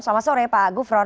selamat sore pak gufron